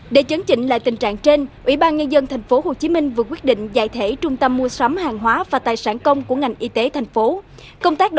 để chấn chỉnh lại tình trạng trên ủy ban nhân dân tp hcm vừa quyết định giải thể trung tâm mua sắm hàng hóa và tài sản công của ngành y tế thành phố